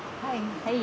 はい。